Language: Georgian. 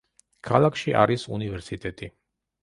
ქალაქში არის უნივერსიტეტი.